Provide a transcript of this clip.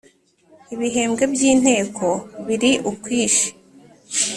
Ibihembwe by’ Inteko biri ukwishi.